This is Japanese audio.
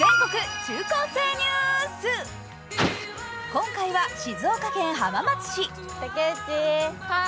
今回は静岡県浜松市。